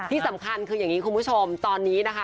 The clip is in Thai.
ที่สำคัญคืออย่างนี้คุณผู้ชมตอนนี้นะคะ